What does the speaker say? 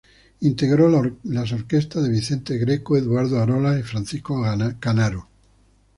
Integró las orquestas de Vicente Greco, Eduardo Arolas y Francisco Canaro.